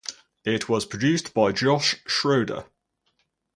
It was produced by Josh Schroeder.